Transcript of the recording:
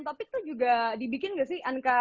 topik tuh juga dibikin nggak sih anca